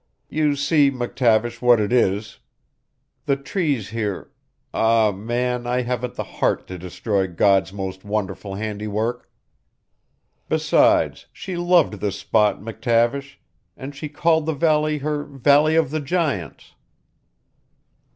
You see, McTavish, what it is. The trees here ah, man, I haven't the heart to destroy God's most wonderful handiwork. Besides, she loved this spot, McTavish, and she called the valley her Valley of the Giants.